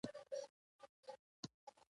د جراحي خونه د دقیقو پرېکړو ځای دی.